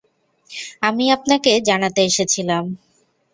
আমি আপনাকে জানাতে এসেছিলাম।